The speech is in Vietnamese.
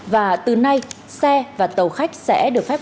và từ nay xe và tàu khách sẽ được phép